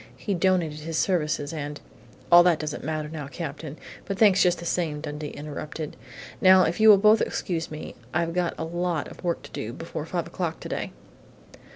He donated his services and " "All that doesn't matter now, Captain, but thanks just the same," Dundee interrupted. "Now if you will both excuse me, I've got a lot of work to do before five o'clock today!"